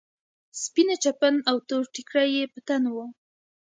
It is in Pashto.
سپينه چپن او تور ټيکری يې په تن و.